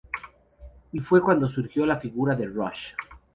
Y fue cuando surgió la figura de Rush.